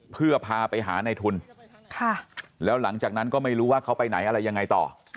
เพื่อพาไปหาในทุนแล้วหลังจากนั้นก็ไม่รู้ว่าเขาไปไหนอะไรยังไงต่อ